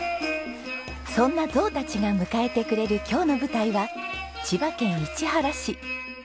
そんなゾウたちが迎えてくれる今日の舞台は千葉県市原市。